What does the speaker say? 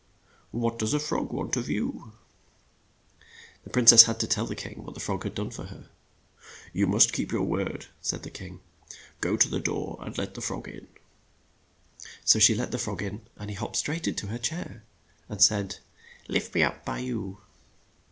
' What does the frog want of you ?'' The prin cess had to tell the king what the frog had done for her. "You must keep your word," said the king. "Go to the door and let the frog in." So she let the frog in, and he hopped straight to her chair, and said, "Lift me up by you."